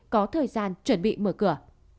có thời gian chuẩn bị mở cửa